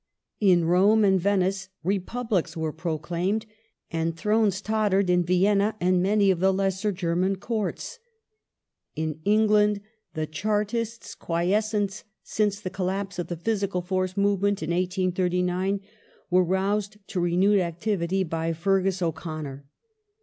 In Rome and Venice Republics were proclaimed ; and thrones tottered in Vienna and many of the lesser German Courts. In England the Chartists, quiescent since the collapse of the physical force movement in 1839, were roused to renewed activity by Feargus O'Connor.